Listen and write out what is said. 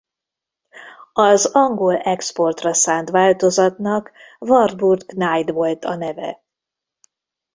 Az angol exportra szánt változatnak Wartburg Knight volt a neve.